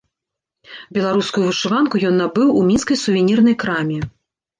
Беларускую вышыванку ён набыў у мінскай сувернірнай краме.